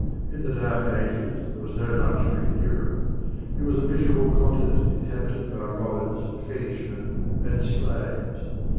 In the Dark Ages there was no luxury in Europe. It was a miserable continent inhabited by robbers, fetishmen, and slaves.